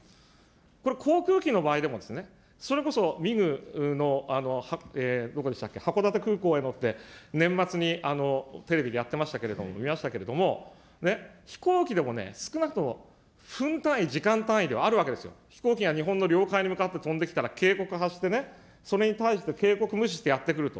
これ、航空機の場合でも、それこそのどこでしたっけ、函館空港によって、年末にテレビでやってましたけれども、見ましたけれども、飛行機でも少なくとも分単位、時間単位ではあるわけですよ、飛行機が日本の領海に向かって飛んできたら警告発してね、それに対して警告無視してやって来ると。